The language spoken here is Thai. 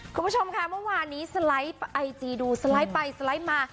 คุณผู้ชมค่ะเมื่อวานนี้สไลด์ไอจีดูสไลด์ไปสไลด์มา